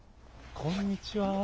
こんにちは。